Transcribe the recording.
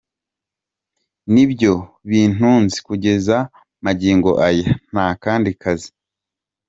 Nibyo bintunze kugeza magingo aya ntakandi kazi.